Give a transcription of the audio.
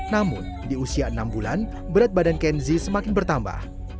namun di usia enam bulan berat badan kenzi semakin bertambah